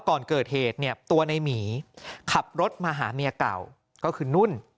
ก่อนเกิดเหตุเนี่ยตัวในหมีขับรถมาหาเมียเก่าก็คือนุ่น